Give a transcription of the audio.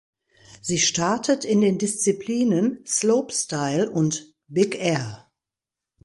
Sie startet in den Disziplinen Slopestyle und Big Air.